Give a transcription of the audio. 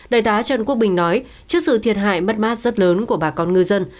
đại tá trần quốc bình nói trước sự thiệt hại mất mát rất lớn của bà con ngư dân